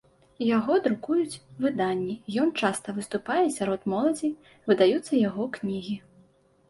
Яго друкуюць выданні, ён часта выступае сярод моладзі, выдаюцца яго кнігі.